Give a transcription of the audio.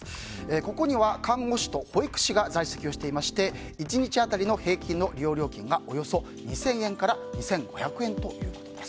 ここには看護師と保育士が在籍していて１日当たりの平均利用料金がおよそ２０００円から２５００円ということです。